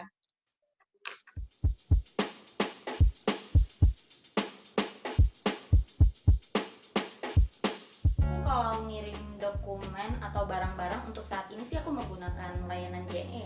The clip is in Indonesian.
kalau ngirim dokumen atau barang barang untuk saat ini sih aku menggunakan layanan je